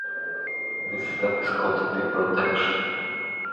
This step is called deprotection.